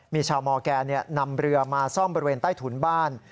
มีชาวมอร์แกนนำเรือมาซ่อมบริเวณใต้ถุนบ้าน